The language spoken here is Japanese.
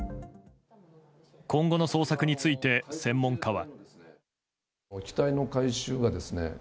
今後の捜索について専門家は。